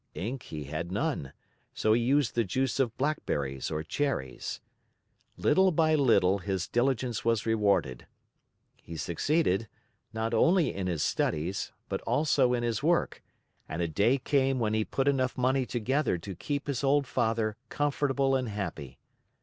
Ink he had none, so he used the juice of blackberries or cherries. Little by little his diligence was rewarded. He succeeded, not only in his studies, but also in his work, and a day came when he put enough money together to keep his old father comfortable and happy.